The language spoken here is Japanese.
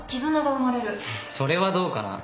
それはどうかな。